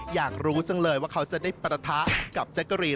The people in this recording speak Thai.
อยากรู้จังเลยว่าเขาจะได้ปะทะกับแจ๊กกะรีน